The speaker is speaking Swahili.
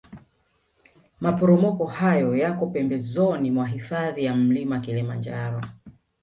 maporomoko hayo yako pembezoni mwa hifadhi ya mlima Kilimanjaro